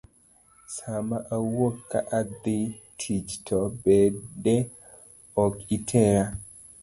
Sama awuok ka adhi tich to bende ok itera.